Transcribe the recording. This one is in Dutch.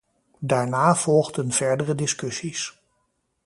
Daarna volgden verdere discussies.